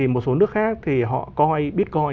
một số nước khác thì họ coi bitcoin